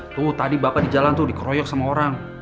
tuh tadi bapak di jalan tuh dikeroyok sama orang